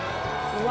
うわ。